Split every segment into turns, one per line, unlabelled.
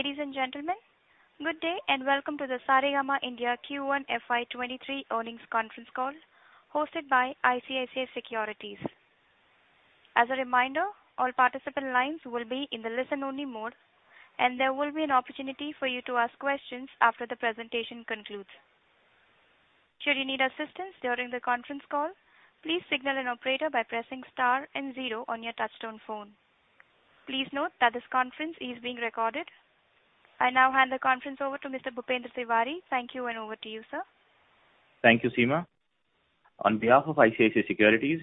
Ladies and gentlemen, good day, and welcome to the Saregama India Q1 FY 2023 earnings conference call hosted by ICICI Securities. As a reminder, all participant lines will be in the listen-only mode, and there will be an opportunity for you to ask questions after the presentation concludes. Should you need assistance during the conference call, please signal an operator by pressing star and zero on your touchtone phone. Please note that this conference is being recorded. I now hand the conference over to Mr. Bhupendra Tiwary. Thank you, and over to you, sir.
Thank you, Seema. On behalf of ICICI Securities,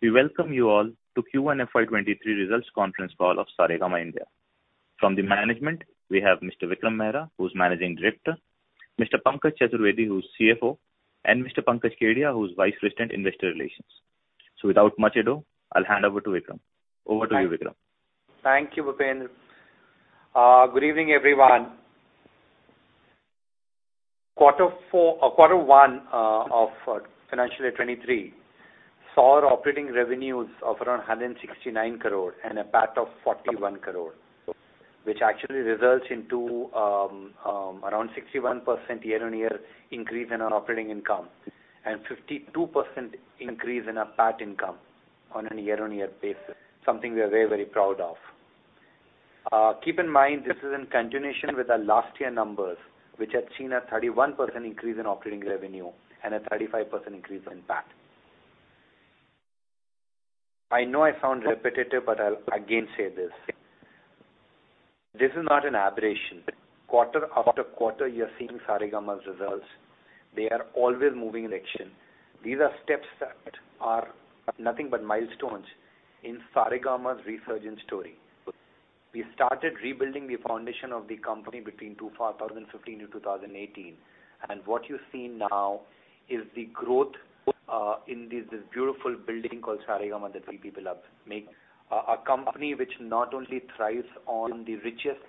we welcome you all to Q1 FY 2023 results conference call of Saregama India. From the management, we have Mr. Vikram Mehra, who's Managing Director, Mr. Pankaj Chaturvedi, who's CFO, and Mr. Pankaj Kedia, who's Vice President, Investor Relations. Without much ado, I'll hand over to Vikram. Over to you, Vikram.
Thank you, Bhupendra. Good evening, everyone. Quarter one of financial year two023 saw operating revenues of around 169 crore and a PAT of 41 crore, which actually results into around 61% year-on-year increase in our operating income and 52% increase in our PAT income on a year-on-year basis, something we are very, very proud of. Keep in mind, this is in continuation with our last year numbers, which had seen a 31% increase in operating revenue and a 35% increase in PAT. I know I sound repetitive, but I'll again say this. This is not an aberration. Quarter after quarter, you are seeing Saregama's results. They are always moving in action. These are steps that are nothing but milestones in Saregama's resurgent story. We started rebuilding the foundation of the company between 2015 to 2018, and what you see now is the growth in this beautiful building called Saregama that we people have make. A company which not only thrives on the richest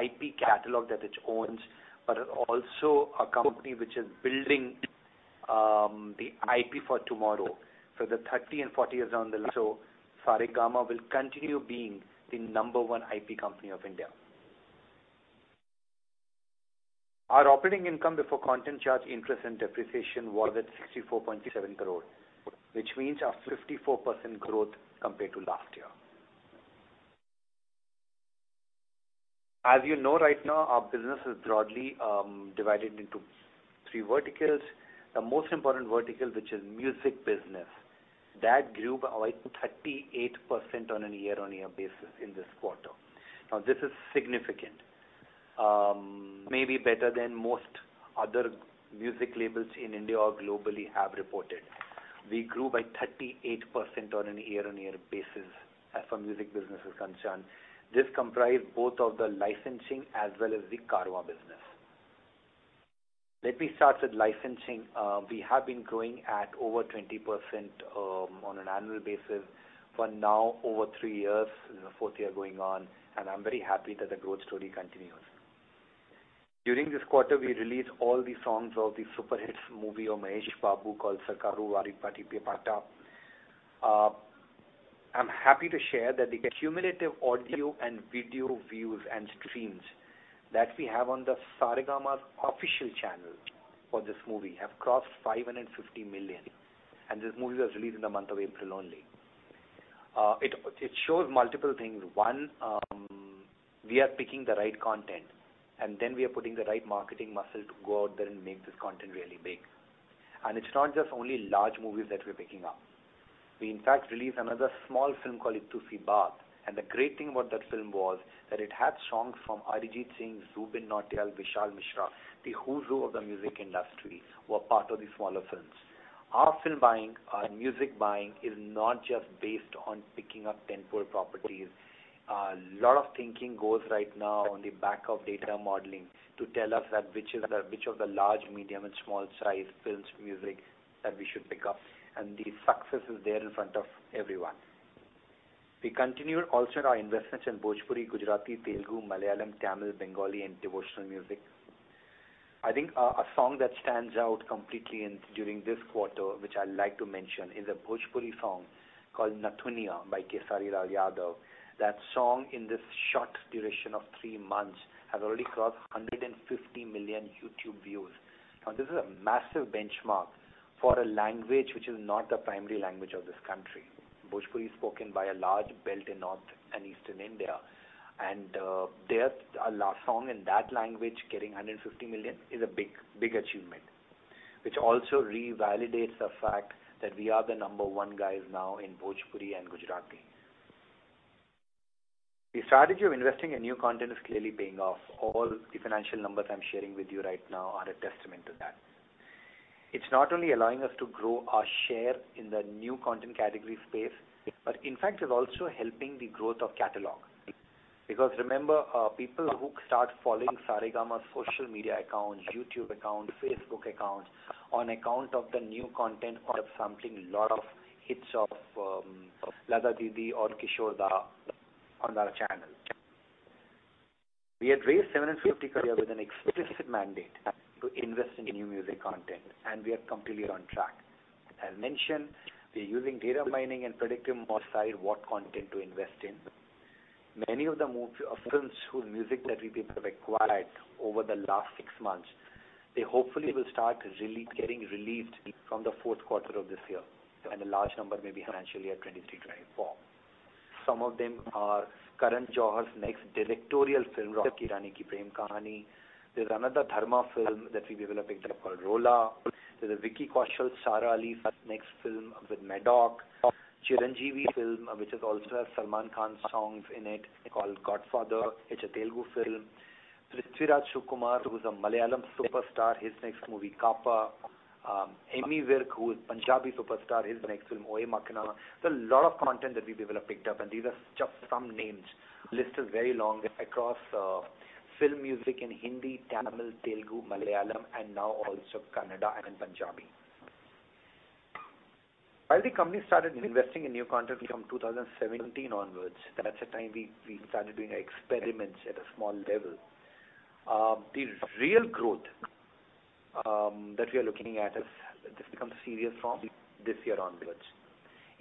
IP catalog that it owns, but also a company which is building the IP for tomorrow. For the 30 and 40 years down the line, Saregama will continue being the number one IP company of India. Our operating income before content charge interest and depreciation was at 64.27 crore, which means a 54% growth compared to last year. As you know, right now, our business is broadly divided into three verticals. The most important vertical, which is music business, that grew by 38% on a year-on-year basis in this quarter. Now, this is significant. Maybe better than most other music labels in India or globally have reported. We grew by 38% on a year-on-year basis as far as music business is concerned. This comprise both of the licensing as well as the Carvaan business. Let me start with licensing. We have been growing at over 20%, on an annual basis for now over three years. This is the fourth year going on, and I'm very happy that the growth story continues. During this quarter, we released all the songs of the super hits movie of Mahesh Babu called Sarkaru Vaari Paata. I'm happy to share that the cumulative audio and video views and streams that we have on the Saregama's official channel for this movie have crossed 550 million, and this movie was released in the month of April only. It shows multiple things. One, we are picking the right content, and then we are putting the right marketing muscle to go out there and make this content really big. It's not just only large movies that we're picking up. We, in fact, released another small film called Ittu Si Baat, and the great thing about that film was that it had songs from Arijit Singh, Jubin Nautiyal, Vishal Mishra. The who's who of the music industry were part of the smaller films. Our film buying, our music buying is not just based on picking up ten poor properties. A lot of thinking goes right now on the back of data modeling to tell us which of the large, medium, and small size films music that we should pick up, and the success is there in front of everyone. We continue also our investments in Bhojpuri, Gujarati, Telugu, Malayalam, Tamil, Bengali, and devotional music. I think a song that stands out completely during this quarter, which I like to mention, is a Bhojpuri song called Nathuniya by Khesari Lal Yadav. That song, in this short duration of three months, has already crossed 150 million YouTube views. Now, this is a massive benchmark for a language which is not the primary language of this country. Bhojpuri is spoken by a large belt in North and Eastern India, and their last song in that language getting 150 million is a big achievement, which also revalidates the fact that we are the number one guys now in Bhojpuri and Gujarati. The strategy of investing in new content is clearly paying off. All the financial numbers I'm sharing with you right now are a testament to that. It's not only allowing us to grow our share in the new content category space, but in fact is also helping the growth of catalog. Because remember, people who start following Saregama's social media accounts, YouTube account, Facebook account on account of the new content or sampling a lot of hits of Lata Didi or Kishore Da on our channel. We had raised 750 crore with an explicit mandate to invest in new music content, and we are completely on track. As mentioned, we're using data mining and predictive models to decide what content to invest in. Many of the films whose music that we people have acquired over the last six months, they hopefully will start really getting released from the fourth quarter of this year, and a large number maybe financially at 2023, 2024. Some of them are Karan Johar's next directorial film, Rocky Aur Rani Kii Prem Kahaani. There's another Dharma film that we will have picked up called Rola. There's a Vicky Kaushal-Sara Ali Khan next film with Laxman Utekar. Chiranjeevi film, which also has Salman Khan's songs in it called Godfather. It's a Telugu film. Prithviraj Sukumaran, who's a Malayalam superstar, his next movie, Kaapa. Ammy Virk, who is Punjabi superstar, his next film, Oye Makhna. There's a lot of content that we will have picked up, and these are just some names. List is very long across film music in Hindi, Tamil, Telugu, Malayalam, and now also Kannada and Punjabi. While the company started investing in new content from 2017 onwards, that's the time we started doing experiments at a small level. The real growth that we are looking at is this becomes serious from this year onwards.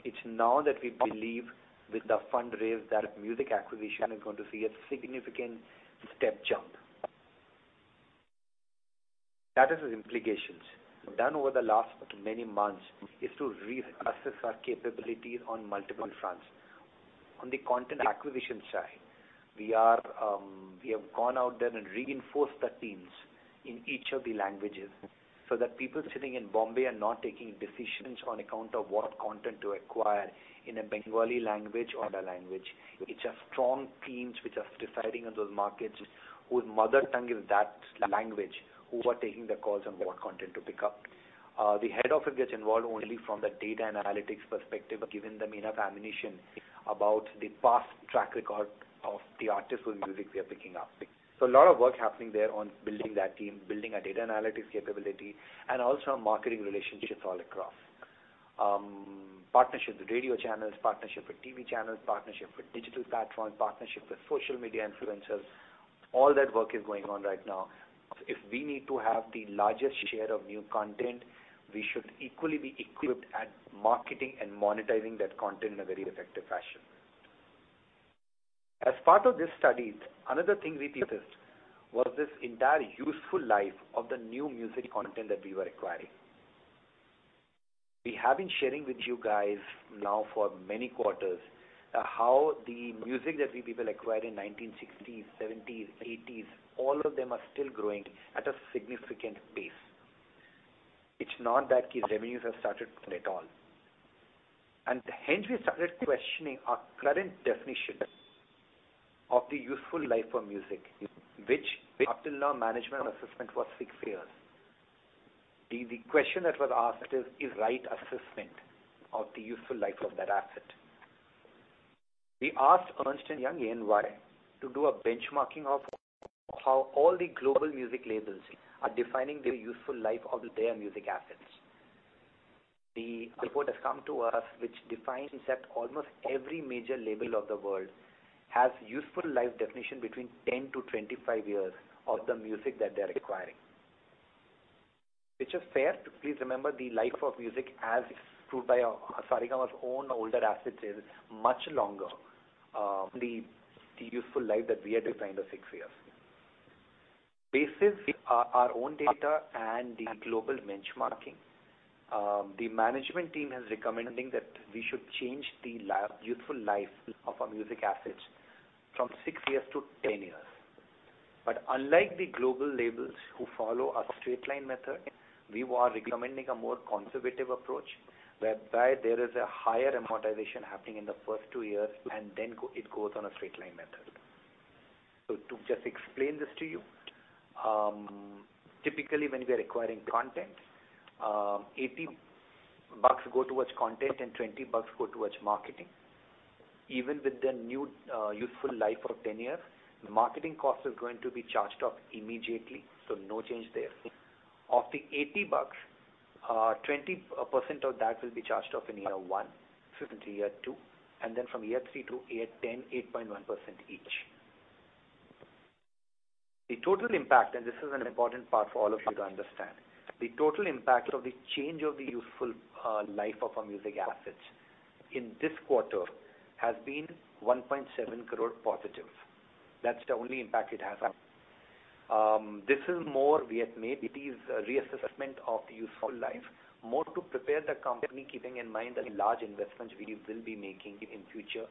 It's now that we believe with the fundraise that music acquisition is going to see a significant step jump. That is the implications done over the last many months is to reassess our capabilities on multiple fronts. On the content acquisition side, we have gone out there and reinforced the teams in each of the languages so that people sitting in Bombay are not taking decisions on account of what content to acquire in a Bengali language or other language. It's a strong teams which are deciding on those markets whose mother tongue is that language, who are taking the calls on what content to pick up. The head office gets involved only from the data analytics perspective, giving them enough ammunition about the past track record of the artists whose music they're picking up. A lot of work happening there on building that team, building a data analytics capability, and also marketing relationships all across. Partnerships with radio channels, partnership with TV channels, partnership with digital platforms, partnership with social media influencers, all that work is going on right now. If we need to have the largest share of new content, we should equally be equipped at marketing and monetizing that content in a very effective fashion. As part of these studies, another thing we tested was this entire useful life of the new music content that we were acquiring. We have been sharing with you guys now for many quarters how the music that we acquired in 1960s, 1970s, 1980s, all of them are still growing at a significant pace. It's not that its revenues have stopped at all. Hence we started questioning our current definition of the useful life of music, which up till now management assessment was six years. The question that was asked is the right assessment of the useful life of that asset. We asked Ernst & Young, EY, to do a benchmarking of how all the global music labels are defining the useful life of their music assets. The report has come to us, which defines that almost every major label of the world has useful life definition between 10-2five years of the music that they're acquiring. Which is fair. Please remember the life of music as proved by our Saregama's own older assets is much longer than the useful life that we had defined of six years. Basis our own data and the global benchmarking, the management team has recommended that we should change the useful life of our music assets from six years to 10 years. Unlike the global labels who follow a straight line method, we are recommending a more conservative approach, whereby there is a higher amortization happening in the first two years, and then it goes on a straight line method. To just explain this to you, typically, when we are acquiring content, INR 80 go towards content and INR 20 go towards marketing. Even with the new useful life of 10 years, the marketing cost is going to be charged off immediately, so no change there. Of the INR 80, 20% of that will be charged off in year one to year two, and then from year three to year one0, 8.1% each. The total impact, and this is an important part for all of you to understand. The total impact of the change of the useful life of our music assets in this quarter has been +1.7 crore. That's the only impact it has had. This is more we have made these reassessment of the useful life, more to prepare the company, keeping in mind that large investments we will be making in future.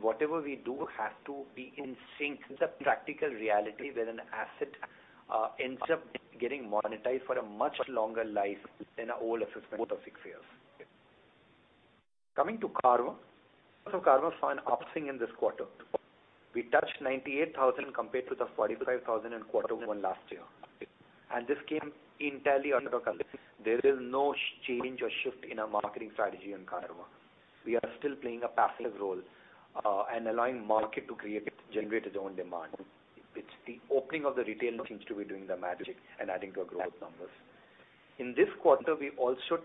Whatever we do has to be in sync with the practical reality where an asset ends up getting monetized for a much longer life than our old assessment of six years. Coming to Carvaan. Carvaan saw an upswing in this quarter. We touched 98,000 compared to the 45,000 in quarter one last year. This came entirely on our own. There is no change or shift in our marketing strategy on Carvaan. We are still playing a passive role, and allowing market to create, generate its own demand. It's the opening of the retail seems to be doing the magic and adding to a growth numbers. In this quarter, we also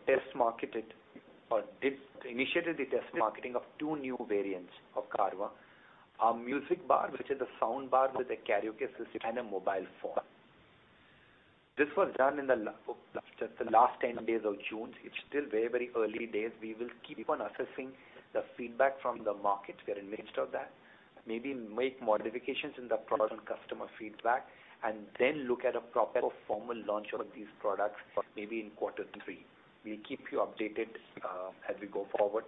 initiated the test marketing of two new variants of Carvaan, a music bar, which is a sound bar with a karaoke system and a mobile phone. This was done in the last ten days of June. It's still very, very early days. We will keep on assessing the feedback from the markets. We are amidst of that. Maybe make modifications in the products on customer feedback and then look at a proper formal launch of these products maybe in quarter three. We'll keep you updated as we go forward.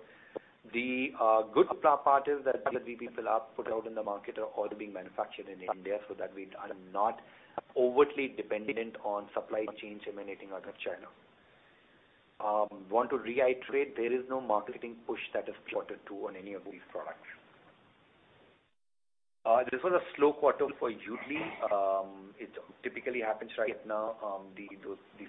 The good part is that the products we are putting out in the market are already being manufactured in India so that we are not overtly dependent on supply chains emanating out of China. Want to reiterate there is no marketing push in quarter two on any of these products. This was a slow quarter for Yoodlee. It typically happens right now. The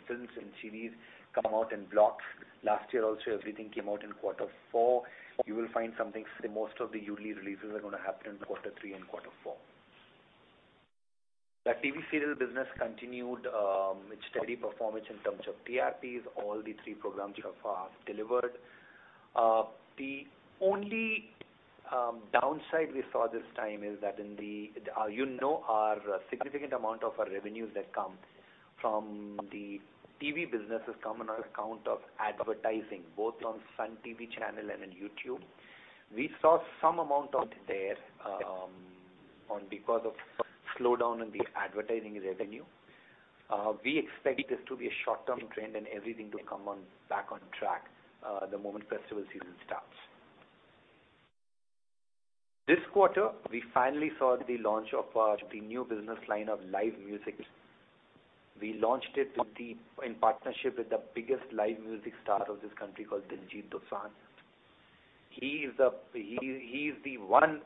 films and series come out in blocks. Last year also everything came out in quarter four. You will find that most of the Yoodlee releases are gonna happen in quarter three and quarter four. The TV serial business continued with steady performance in terms of TRPs. All three programs have delivered. The only downside we saw this time is that a significant amount of our revenues that come from the TV business has come on account of advertising, both on Sun TV channel and on YouTube. You know, we saw some slowdown out there because of the slowdown in the advertising revenue. We expect this to be a short-term trend and everything to come back on track the moment festival season starts. This quarter, we finally saw the launch of our new business line of live music. We launched it in partnership with the biggest live music star of this country called Diljit Dosanjh. He is the one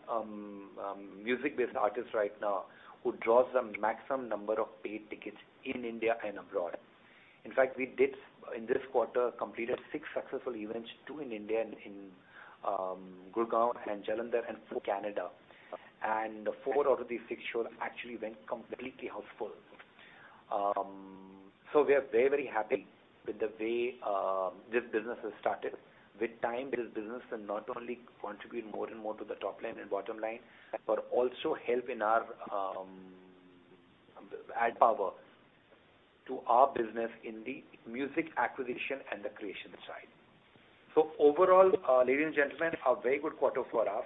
music-based artist right now who draws the maximum number of paid tickets in India and abroad. In fact, we completed six successful events in this quarter, two in India, Gurgaon and Jalandhar, and four in Canada. Four out of the six shows actually went completely houseful. We are very, very happy with the way this business has started. With time this business can not only contribute more and more to the top line and bottom line, but also help empower our business in the music acquisition and the creation side. Overall, ladies and gentlemen, a very good quarter for us.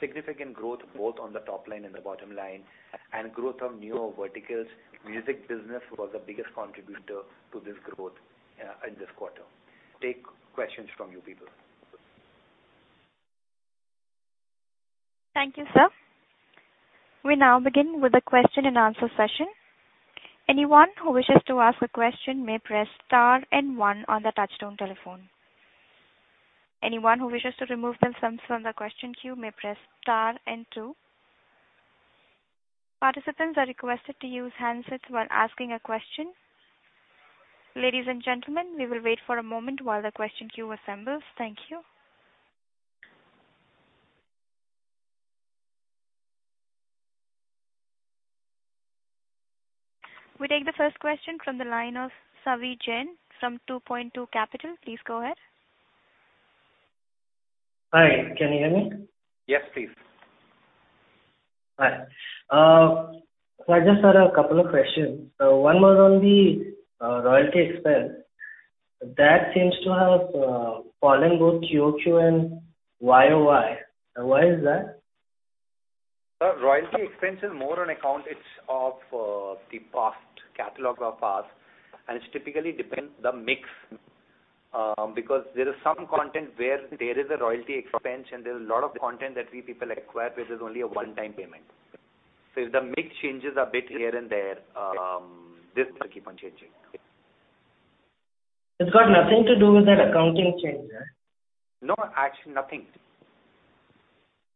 Significant growth both on the top line and the bottom line, and growth of new verticals. Music business was the biggest contributor to this growth in this quarter. Take questions from you people.
Thank you, sir. We now begin with the question and answer session. Anyone who wishes to ask a question may press star and one on the touchtone telephone. Anyone who wishes to remove themselves from the question queue may press star and two. Participants are requested to use handsets while asking a question. Ladies and gentlemen, we will wait for a moment while the question queue assembles. Thank you. We take the first question from the line of Savi Jain from 2Point2 Capital. Please go ahead.
Hi, can you hear me?
Yes, please.
Hi. I just had a couple of questions. One was on the royalty expense. That seems to have fallen both QOQ and YOY. Why is that?
The royalty expense is more on account of the past catalog, and it typically depends on the mix, because there is some content where there is a royalty expense and there's a lot of content that we acquire which is only a one-time payment. If the mix changes a bit here and there, this will keep on changing.
It's got nothing to do with that accounting change, right?
No, actually nothing.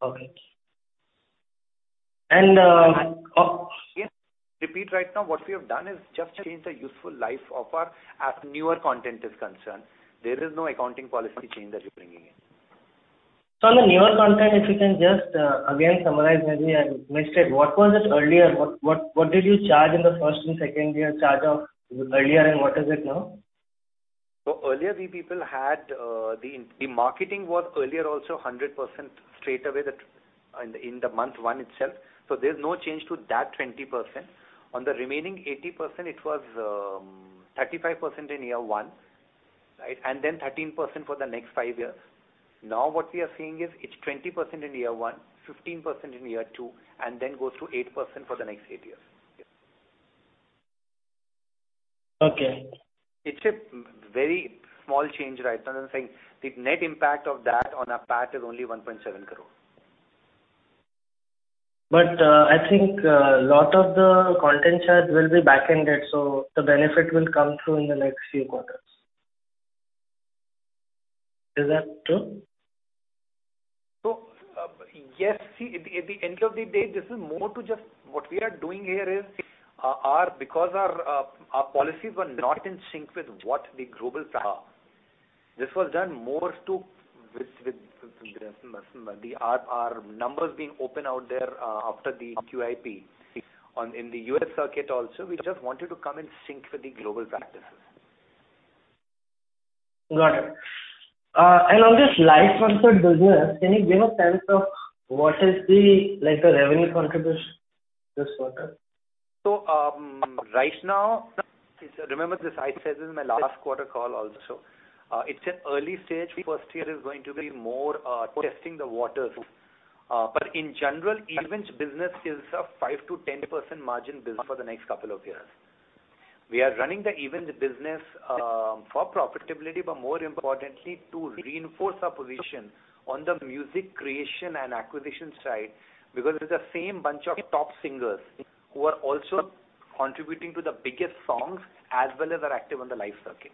Okay.
Right now what we have done is just change the useful life of our assets as newer content is concerned. There is no accounting policy change that we're bringing in.
On the newer content, if you can just again summarize maybe I missed it. What was it earlier? What did you charge in the first and second year charge of earlier and what is it now?
Earlier we people had the marketing was earlier also 100% straight away that in the month one itself. There's no change to that 20%. On the remaining 80%, it was 35% in year one, right? Then 13% for the next five years. Now what we are seeing is it's 20% in year one, 15% in year two, and then goes to 8% for the next eight years.
Okay.
It's a very small change right now. I'm saying the net impact of that on our PAT is only 1.7 crore.
I think, lot of the content charge will be backended, so the benefit will come through in the next few quarters. Is that true?
Yes. See, at the end of the day, what we are doing here is because our policies were not in sync with what the global practices are. This was done more to do with our numbers being open out there after the QIP in the U.S. circuit also. We just wanted to come in sync with the global practices.
Got it. On this live concert business, can you give a sense of what is the, like, the revenue contribution this quarter?
Right now, remember this, I said this in my last quarter call also. It's an early stage. The first year is going to be more testing the waters. But in general, events business is a 5%-10% margin business for the next couple of years. We are running the event business for profitability, but more importantly, to reinforce our position on the music creation and acquisition side, because it is the same bunch of top singers who are also contributing to the biggest songs as well as are active on the live circuit.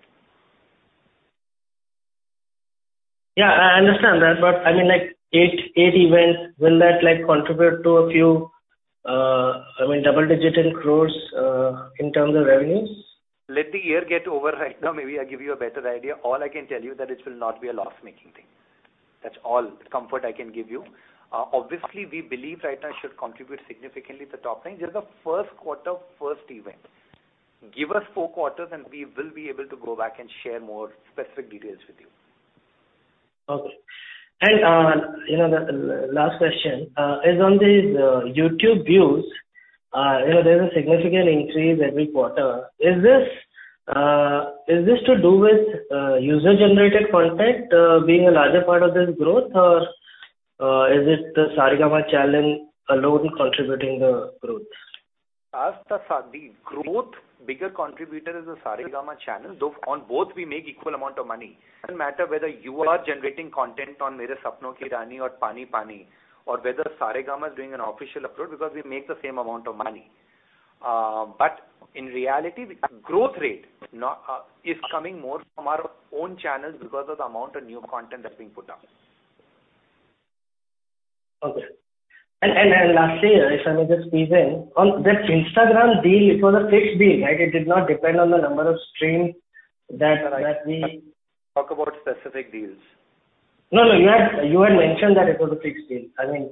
Yeah, I understand that, but I mean, like eight events, will that, like, contribute to a few, I mean, double-digit crores, in terms of revenues?
Let the year get over. Right now, maybe I give you a better idea. All I can tell you that it will not be a loss-making thing. That's all the comfort I can give you. Obviously, we believe right now it should contribute significantly the top line. This is the first quarter, first event. Give us four quarters, and we will be able to go back and share more specific details with you.
Okay. You know, the last question is on these YouTube views. You know, there's a significant increase every quarter. Is this to do with user-generated content being a larger part of this growth? Or is it the Saregama channel alone contributing the growth?
As the growth's biggest contributor is the Saregama channel, though on both we make equal amount of money. It doesn't matter whether you are generating content on Mere Sapno Ki Rani or Pani Pani or whether Saregama is doing an official upload because we make the same amount of money. In reality, the growth rate now is coming more from our own channels because of the amount of new content that's being put up.
Okay. Lastly, if I may just squeeze in, on this Instagram deal, it was a fixed deal, right? It did not depend on the number of streams that-
That's right.
-that we...
Talk about specific deals.
No, you had mentioned that it was a fixed deal. I mean,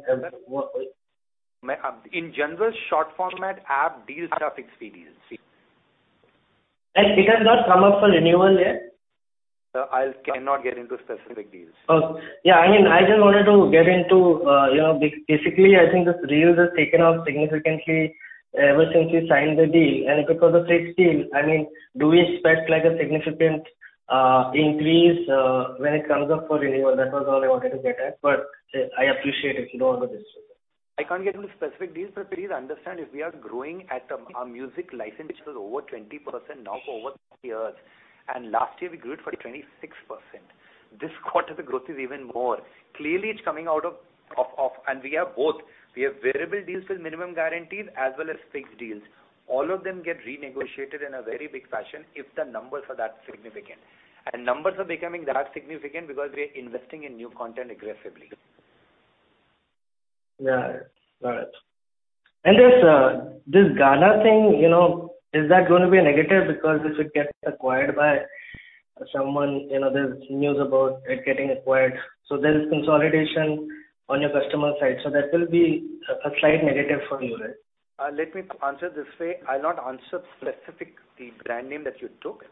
In general, short format app deals are fixed fee deals.
It has not come up for renewal yet?
I cannot get into specific deals.
Yeah, I mean, I just wanted to get into, you know, basically, I think this reel has taken off significantly ever since you signed the deal and because of fixed deal, I mean, do we expect like a significant increase when it comes up for renewal? That was all I wanted to get at, but I appreciate if you don't want to disclose that.
I can't get into specific deals. Please understand, if we are growing at a, our music license, which was over 20% now for over two years, and last year we grew it for 26%. This quarter the growth is even more. Clearly, it's coming out of. We have both. We have variable deals with minimum guarantees as well as fixed deals. All of them get renegotiated in a very big fashion if the numbers are that significant. Numbers are becoming that significant because we are investing in new content aggressively.
Got it. This Gaana thing, you know, is that gonna be a negative because if it gets acquired by someone, you know, there's news about it getting acquired, so there is consolidation on your customer side. That will be a slight negative for you, right?
Let me answer this way. I'll not answer specifically the brand name that you took.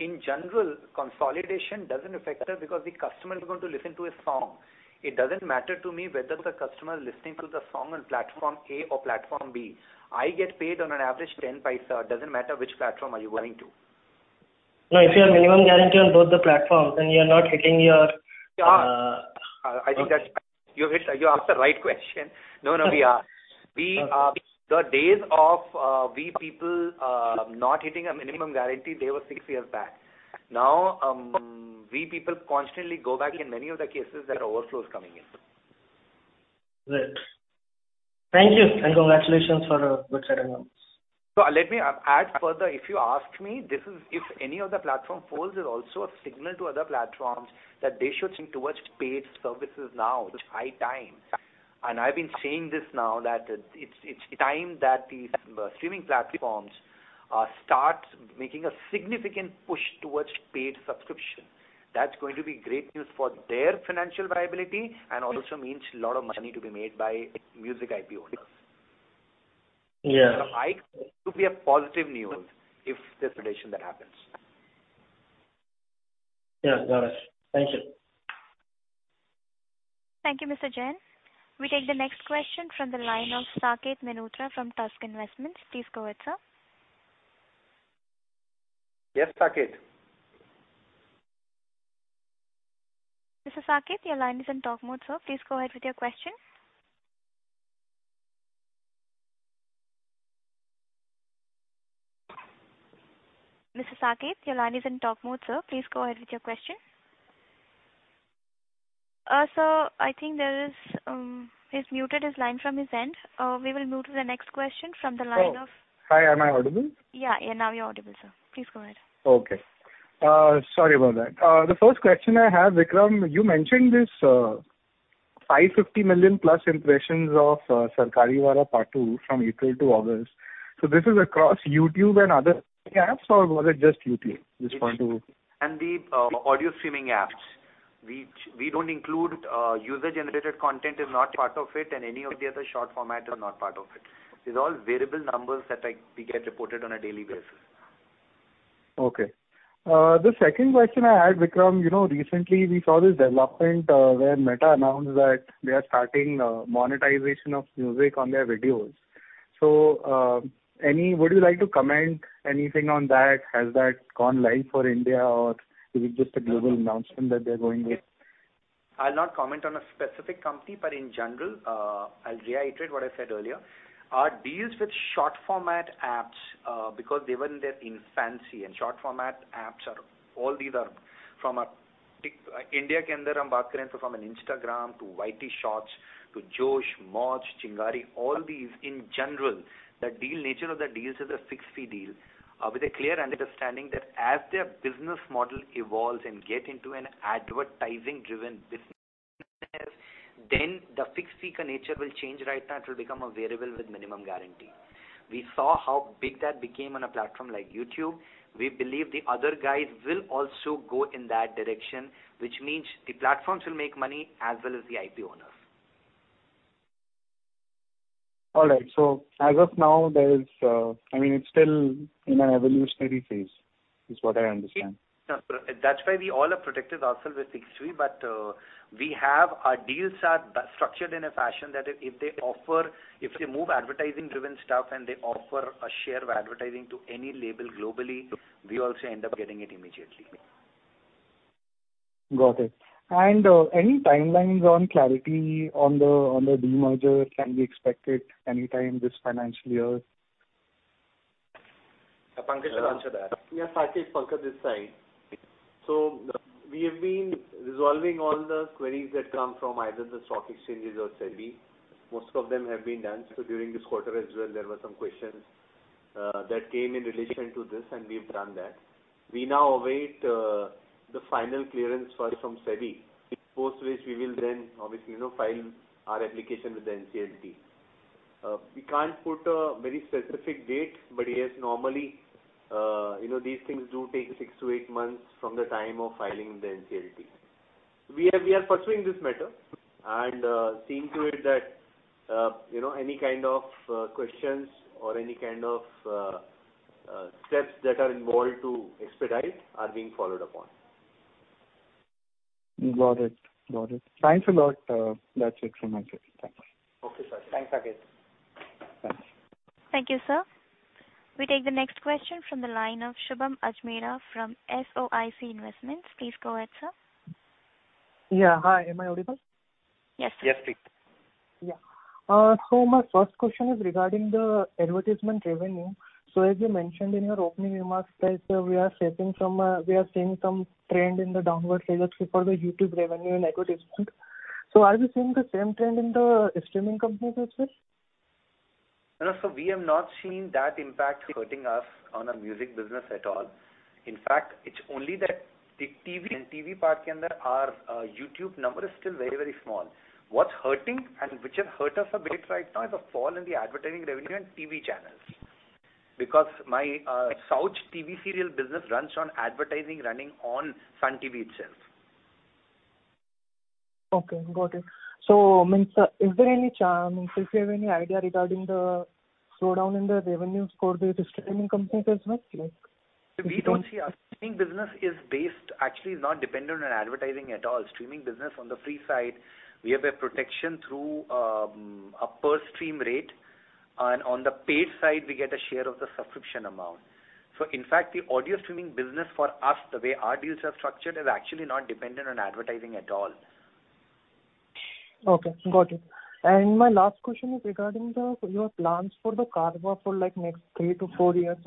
In general, consolidation doesn't affect us because the customer is going to listen to a song. It doesn't matter to me whether the customer is listening to the song on platform A or platform B. I get paid on an average 0.10. It doesn't matter which platform are you going to.
No, if you have minimum guarantee on both the platforms, then you're not hitting your,
Yeah. I think you asked the right question. No, no, we are. The days of we people not hitting a minimum guarantee were six years back. Now, we people constantly go above in many of the cases. There are overflows coming in.
Great. Thank you, and congratulations for good set of numbers.
Let me add further. If you ask me, this is, if any of the platforms folds, a signal to other platforms that they should think towards paid services now, which is high time. I've been saying this now that it's time that these streaming platforms start making a significant push towards paid subscription. That's going to be great news for their financial viability and also means a lot of money to be made by music IP owners.
Yeah.
I think to be a positive news if this consolidation that happens.
Yeah, got it. Thank you.
Thank you, Mr. Jain. We take the next question from the line of Saket Mehrotra from Tusk Investments. Please go ahead, sir.
Yes, Saket.
Mr. Saket, your line is in talk mode, sir. Please go ahead with your question. Sir, I think there is, he's muted his line from his end. We will move to the next question from the line of.
Hi, am I audible?
Yeah. Now you're audible, sir. Please go ahead.
Okay. Sorry about that. The first question I have, Vikram, you mentioned this 550 million+ impressions of Sarkaru Vaari Paata from April to August. This is across YouTube and other apps, or was it just YouTube? Just want to-
The audio streaming apps. We don't include user-generated content is not part of it, and any of the other short format are not part of it. These are all variable numbers that we get reported on a daily basis.
Okay. The second question I had, Vikram, you know, recently we saw this development, where Meta announced that they are starting monetization of music on their videos. Would you like to comment anything on that? Has that gone live for India or is it just a global announcement that they're going with?
I'll not comment on a specific company, but in general, I'll reiterate what I said earlier. Our deals with short format apps, because they were in their infancy, and short format apps are, so from an Instagram to YouTube Shorts to Josh, Moj, Chingari, all these in general, the deal, nature of the deals is a fixed fee deal, with a clear understanding that as their business model evolves and get into an advertising-driven business, then the fixed fee nature will change right now. It will become a variable with minimum guarantee. We saw how big that became on a platform like YouTube. We believe the other guys will also go in that direction, which means the platforms will make money as well as the IP owners.
All right. As of now, there is, I mean, it's still in an evolutionary phase, is what I understand.
No, that's why we all are protected ourselves with fixed fee, but our deals are structured in a fashion that if they move advertising-driven stuff and they offer a share of advertising to any label globally, we also end up getting it immediately.
Got it. Any timelines on clarity on the demerger? Can we expect it any time this financial year?
Pankaj will answer that.
Yeah, Saket. Pankaj this side. We have been resolving all the queries that come from either the stock exchanges or SEBI. Most of them have been done. During this quarter as well, there were some questions that came in relation to this, and we've done that. We now await the final clearance first from SEBI, post which we will then, obviously, you know, file our application with the NCLT. We can't put a very specific date, but yes, normally, you know, these things do take six to eight months from the time of filing the NCLT. We are pursuing this matter and seeing to it that, you know, any kind of questions or any kind of steps that are involved to expedite are being followed upon.
Got it. Thanks a lot. That's it from my side. Thanks.
Okay, Saket.
Thanks, Saket.
Thanks.
Thank you, sir. We take the next question from the line of Shubham Ajmera from SOIC Investments. Please go ahead, sir.
Yeah. Hi. Am I audible?
Yes.
Yes, please.
Yeah. My first question is regarding the advertisement revenue. As you mentioned in your opening remarks that we are seeing some trend in the downward slopes for the YouTube revenue and advertisement. Are we seeing the same trend in the streaming companies as well?
We have not seen that impact hurting us on our music business at all. In fact, it's only that the TV part, our YouTube number is still very, very small. What's hurting and which has hurt us a bit right now is the fall in the advertising revenue on TV channels. Because my Saregama's TV serial business runs on advertising running on Sun TV itself.
Okay, got it. I mean, if you have any idea regarding the slowdown in the revenues for the streaming companies as well? Like...
We don't see. Our streaming business is based, actually is not dependent on advertising at all. Streaming business on the free side, we have a protection through, a per stream rate, and on the paid side, we get a share of the subscription amount. In fact, the audio streaming business for us, the way our deals are structured, is actually not dependent on advertising at all.
Okay, got it. My last question is regarding your plans for the Carvaan for like next three to four years.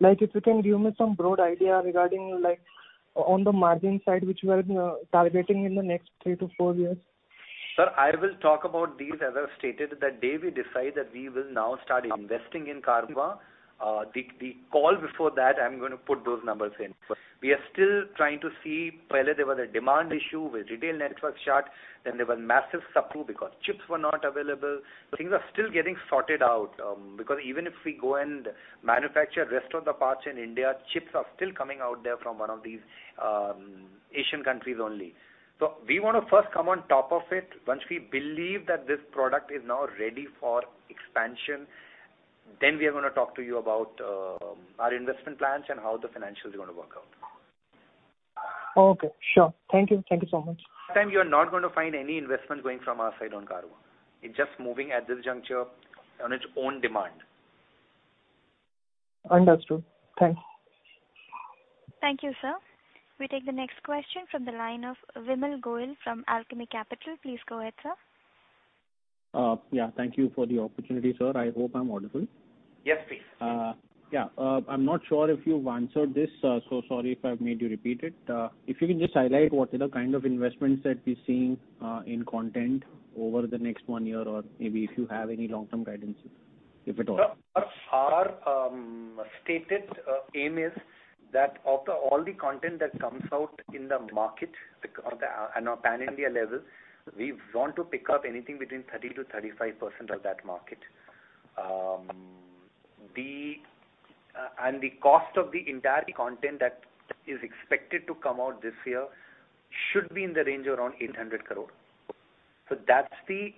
Like if you can give me some broad idea regarding like on the margin side, which you are targeting in the next three to four years.
Sir, I will talk about these as I stated, the day we decide that we will now start investing in Carvaan. The call before that, I'm gonna put those numbers in. We are still trying to see, first there was a demand issue with retail networks shut, then there was massive supply because chips were not available. Things are still getting sorted out, because even if we go and manufacture rest of the parts in India, chips are still coming out there from one of these Asian countries only. We wanna first come on top of it. Once we believe that this product is now ready for expansion, then we are gonna talk to you about our investment plans and how the financials are gonna work out.
Okay. Sure. Thank you. Thank you so much.
This time you are not gonna find any investment going from our side on Carvaan. It's just moving at this juncture on its own demand.
Understood. Thanks.
Thank you, sir. We take the next question from the line of Vimal Gohil from Alchemy Capital. Please go ahead, sir.
Yeah. Thank you for the opportunity, sir. I hope I'm audible.
Yes, please.
Yeah. I'm not sure if you've answered this, so sorry if I've made you repeat it. If you can just highlight what are the kind of investments that we're seeing, in content over the next one year or maybe if you have any long-term guidance, if at all.
Sir, our stated aim is that of all the content that comes out in the market on a pan-India level, we want to pick up anything between 30%-35% of that market. The cost of the entire content that is expected to come out this year should be in the range around 800 crore. That's the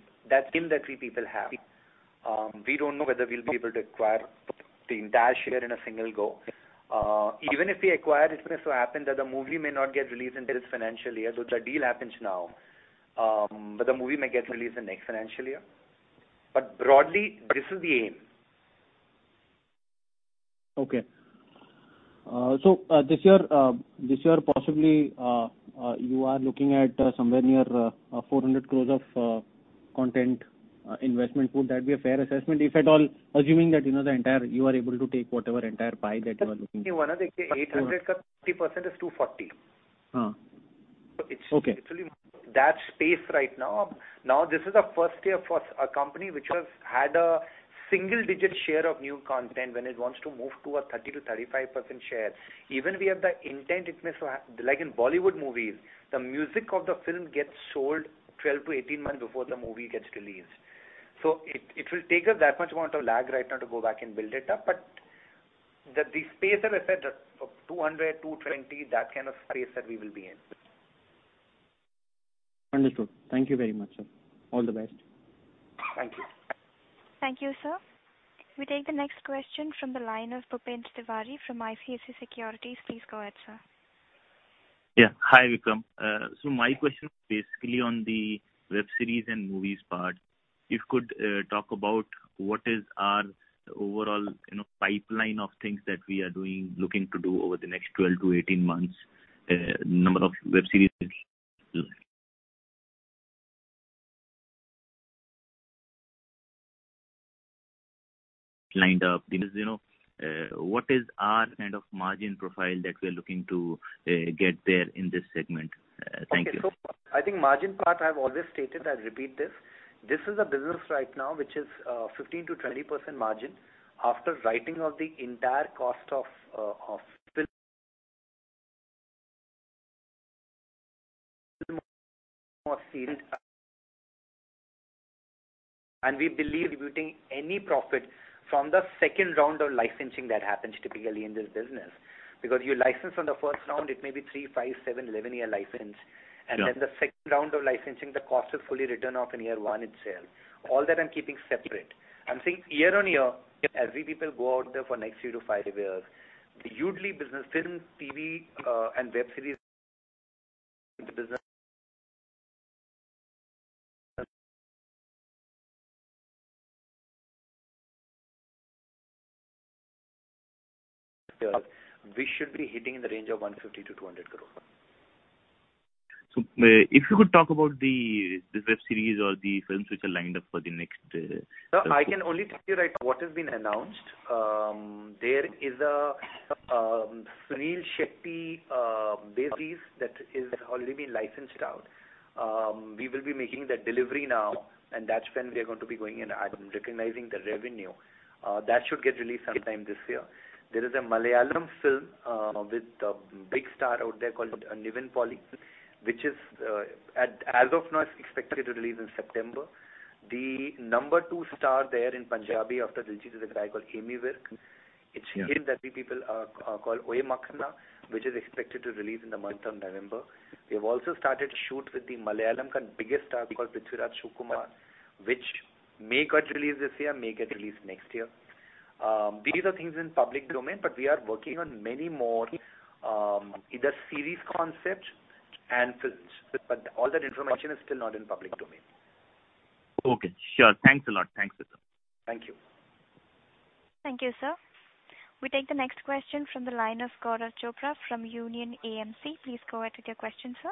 aim that we people have. We don't know whether we'll be able to acquire the entire share in a single go. Even if we acquire, it may so happen that the movie may not get released in this financial year. The deal happens now, but the movie may get released in next financial year. Broadly, this is the aim.
Okay. This year, possibly, you are looking at somewhere near 400 crore of content investment. Would that be a fair assessment, if at all, assuming that, you know, the entire you are able to take whatever entire pie that you are looking for?
800 30% is 240.
Huh. Okay.
It's really that space right now. Now, this is the first year for a company which has had a single digit share of new content when it wants to move to a 30%-35% share. Even if we have the intent, it may so happen like in Bollywood movies, the music of the film gets sold 12-18 months before the movie gets released. It will take us that much amount of lag right now to go back and build it up. The space that I said, of 200-220, that kind of space that we will be in.
Understood. Thank you very much, sir. All the best.
Thank you.
Thank you, sir. We take the next question from the line of Bhupendra Tiwary from ICICI Securities. Please go ahead, sir.
Hi, Vikram. So my question basically on the web series and movies part. If you could talk about what is our overall, you know, pipeline of things that we are doing, looking to do over the next 12-18 months, number of web series lined up. Because, you know, what is our kind of margin profile that we are looking to get there in this segment? Thank you.
I think margin part, I've always stated, I'll repeat this. This is a business right now which is 15%-20% margin after writing off the entire cost of film and we believe we're not putting any profit from the second round of licensing that happens typically in this business. You license on the first round, it may be three, five, seven, 11-year license.
Yeah.
Then the second round of licensing, the cost is fully written off in year one itself. All that I'm keeping separate. I'm saying year-on-year, as we people go out there for next three to five years, usually business, films, TV, and web series we should be hitting in the range of 150 crore-200 crore.
If you could talk about the web series or the films which are lined up for the next,
No, I can only tell you right what has been announced. There is a Suniel Shetty web series that is already been licensed out. We will be making that delivery now, and that's when we are going to be going and recognizing the revenue. That should get released sometime this year. There is a Malayalam film with a big star out there called Nivin Pauly, which is, as of now, is expected to release in September. The number two star there in Punjabi after Diljit is a guy called Ammy Virk.
Yeah.
It's him that we people call Oye Makhna, which is expected to release in the month of November. We have also started to shoot with the Malayalam biggest star called Prithviraj Sukumaran, which may get released this year, may get released next year. These are things in public domain, but we are working on many more, either series concepts and films. All that information is still not in public domain.
Okay. Sure. Thanks a lot. Thanks, Vikram.
Thank you.
Thank you, sir. We take the next question from the line of Gaurav Chopra from Union AMC. Please go ahead with your question, sir.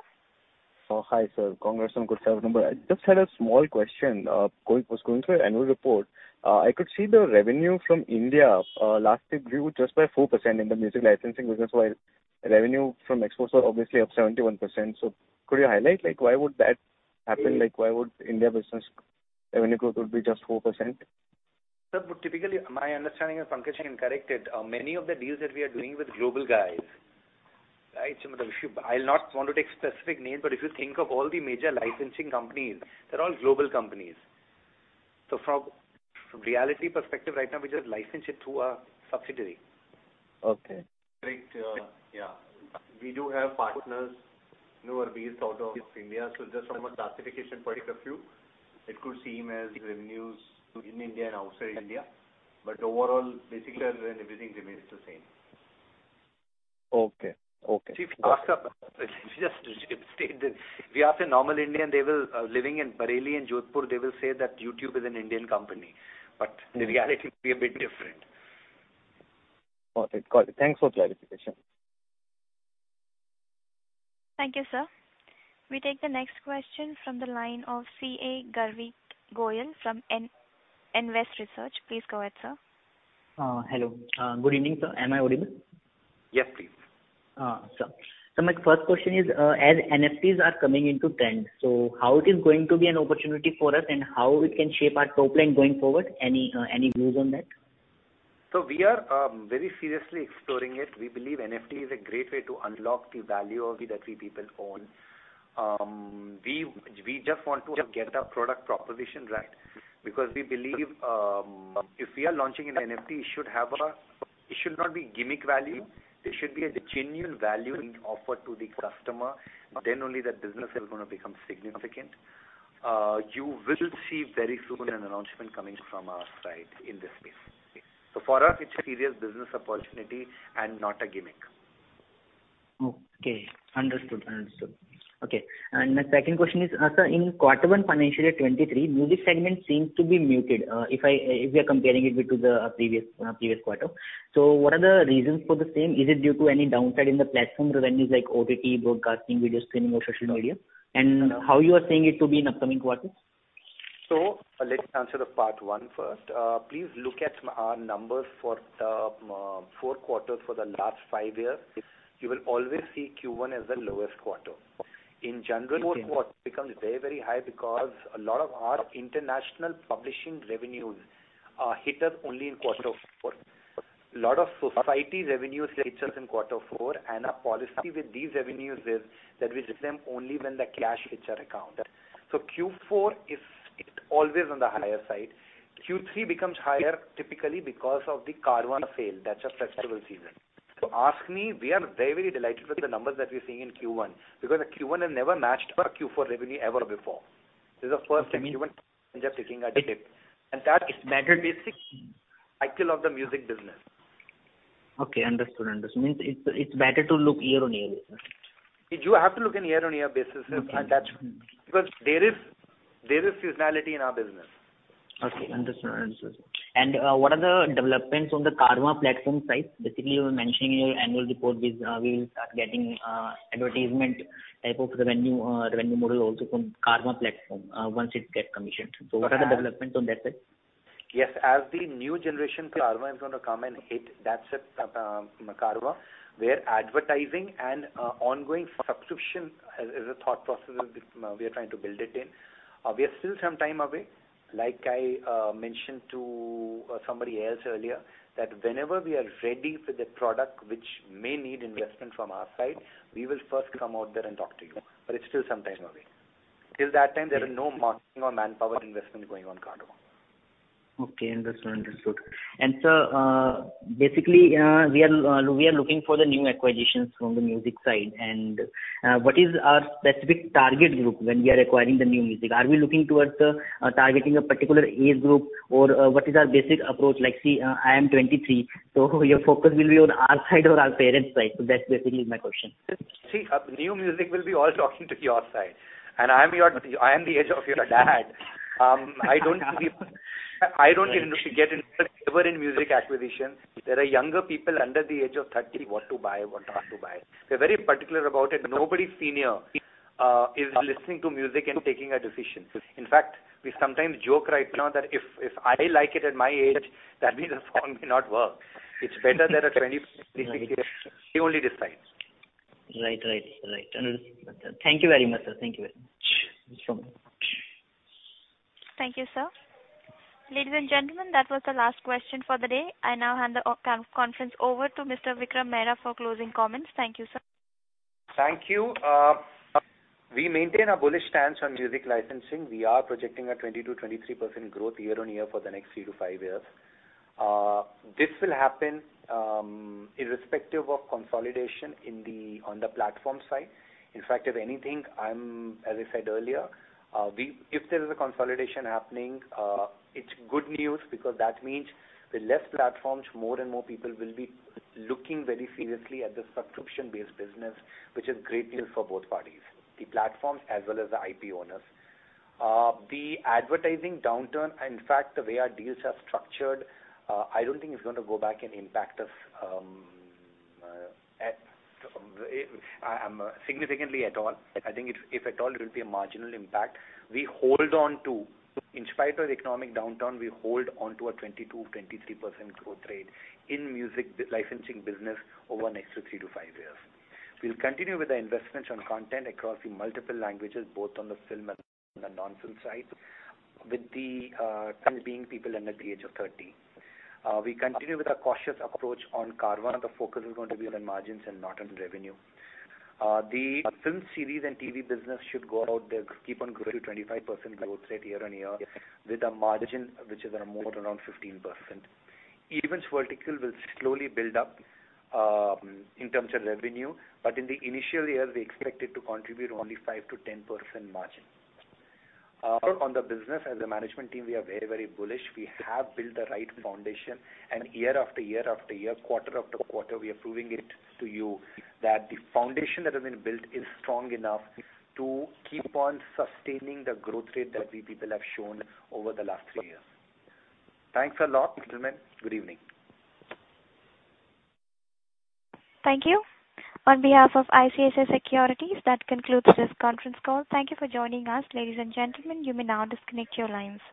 Hi, sir. Gaurav from. [inaudible] I just had a small question. I was going through your annual report. I could see the revenue from India last year grew just by 4% in the music licensing business, while revenue from exports were obviously up 71%. Could you highlight, like, why would that happen? Like, why would India business revenue growth would be just 4%?
Sir, typically, my understanding is, Pankaj can correct it. Many of the deals that we are doing with global guys, right? I'll not want to take specific names, but if you think of all the major licensing companies, they're all global companies. From reality perspective right now, we just license it through our subsidiary.
Okay.
Correct. Yeah. We do have partners who are based out of India. Just from a classification point of view, it could seem as if revenues in India and outside India. Overall, basically everything remains the same.
Okay. Okay.
If you ask a normal Indian, they will, living in Bareilly and Jodhpur, they will say that YouTube is an Indian company. The reality will be a bit different.
Got it. Thanks for clarification.
Thank you, sir. We take the next question from the line of CA Garvit Goyal from Niveshaay Investment Research. Please go ahead, sir.
Hello. Good evening, sir. Am I audible?
Yes, please.
Sir. My first question is, as NFTs are coming into trend, so how it is going to be an opportunity for us and how it can shape our topline going forward? Any views on that?
We are very seriously exploring it. We believe NFT is a great way to unlock the value of it that we people own. We just want to get our product proposition right because we believe, if we are launching an NFT, it should not be gimmick value. There should be a genuine value being offered to the customer, then only that business is gonna become significant. You will see very soon an announcement coming from our side in this space. For us, it's a serious business opportunity and not a gimmick.
Okay, understood. Okay. My second question is, sir, in quarter one financial year 2023, music segment seems to be muted, if we are comparing it with the previous previous quarter. What are the reasons for the same? Is it due to any downside in the platform revenues like OTT, broadcasting, video streaming, or social media? How you are seeing it to be in upcoming quarters?
Let's answer the part one first. Please look at our numbers for the four quarters for the last five years. You will always see Q1 as the lowest quarter. In general, fourth quarter becomes very, very high because a lot of our international publishing revenues hit us only in quarter four. Lot of society revenues hits us in quarter four, and our policy with these revenues is that we take them only when the cash hits our account. Q4 is always on the higher side. Q3 becomes higher typically because of the Carvaan sale. That's our festival season. If you ask me, we are very, very delighted with the numbers that we're seeing in Q1 because the Q1 has never matched our Q4 revenue ever before. This is the first time Q1 taking a dip. That is matter basic cycle of the music business.
Okay, understood. It's better to look year-on-year, yes, sir.
You have to look on year-over-year basis.
Okay.
That's because there is seasonality in our business.
Okay, understood. What are the developments on the Carvaan platform side? Basically, you were mentioning in your annual report this, we will start getting, advertisement type of revenue model also from Carvaan platform, once it gets commissioned. What are the developments on that side?
Yes. As the new generation, Carvaan is gonna come and hit. That's it, Carvaan, where advertising and ongoing subscription as a thought process is, we are trying to build it in. We are still some time away. Like I mentioned to somebody else earlier, that whenever we are ready with a product which may need investment from our side, we will first come out there and talk to you. It's still some time away. Till that time, there is no marketing or manpower investment going on Carvaan.
Okay, understood. Understood. Sir, basically, we are looking for the new acquisitions from the music side and what is our specific target group when we are acquiring the new music? Are we looking towards targeting a particular age group or what is our basic approach? Like, see, I am 23, so your focus will be on our side or our parents' side. That's basically my question.
See, new music will be all talking to your side. I am the age of your dad. I don't get involved ever in music acquisitions. There are younger people under the age of 30, what to buy, what not to buy. We're very particular about it. Nobody senior is listening to music and taking a decision. In fact, we sometimes joke right now that if I like it at my age, that means the song may not work. It's better there are 20- to 23-year-olds, they only decide.
Right. Understood. Thank you very much, sir. Thank you very much.
Thank you, sir. Ladies and gentlemen, that was the last question for the day. I now hand the conference over to Mr. Vikram Mehra for closing comments. Thank you, sir.
Thank you. We maintain a bullish stance on music licensing. We are projecting a 20%-23% growth year-on-year for the next three to five years. This will happen irrespective of consolidation on the platform side. In fact, if anything, as I said earlier, if there is a consolidation happening, it's good news because that means with less platforms, more and more people will be looking very seriously at the subscription-based business, which is great news for both parties, the platforms as well as the IP owners. The advertising downturn, in fact, the way our deals are structured, I don't think it's gonna go back and impact us significantly at all. I think if at all, it will be a marginal impact. We hold on to. In spite of the economic downturn, we hold onto a 22-23% growth rate in music licensing business over next three to five years. We'll continue with the investments on content across the multiple languages, both on the film and the non-film side, with the trends being people under the age of thirty. We continue with a cautious approach on Carvaan. The focus is going to be on margins and not on revenue. The film series and TV business should go out there, keep on growing to 25% growth rate year on year with a margin which is more around 15%. Events vertical will slowly build up, in terms of revenue, but in the initial year, we expect it to contribute only 5-10% margin. On the business as a management team, we are very, very bullish. We have built the right foundation, and year after year after year, quarter after quarter, we are proving it to you that the foundation that has been built is strong enough to keep on sustaining the growth rate that we people have shown over the last three years. Thanks a lot, gentlemen. Good evening.
Thank you. On behalf of ICICI Securities, that concludes this conference call. Thank you for joining us, ladies and gentlemen. You may now disconnect your lines.